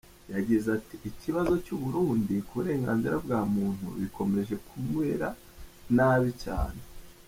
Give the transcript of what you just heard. Yagize ati “Ikibazo cy’u Burundi ku burenganzira bwa muntu bikomeje kumera nabi cyane.